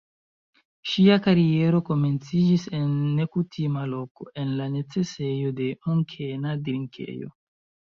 Ŝia kariero komenciĝis en nekutima loko: en la necesejo de Munkena drinkejo.